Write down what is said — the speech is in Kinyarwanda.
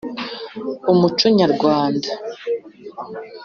umuco nyarwanda